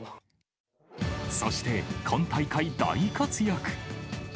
そして、今大会、大活躍。